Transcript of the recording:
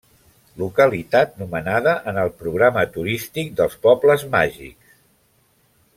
Localitat nomenada en el programa turístic dels Pobles Màgics.